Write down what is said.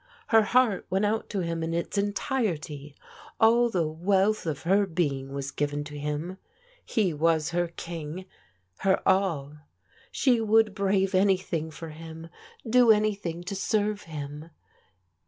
Her heart went out to him in its en tirety. All the wealth of her being was given to him. He was her king, her all. She would brave anything for him, do anything to serve him.